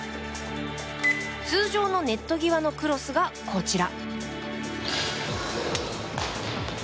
通常のネット際のクロスがこちら。